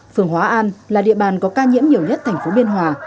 phường hóa an là địa bàn có ca nhiễm nhiều nhất thành phố biên hòa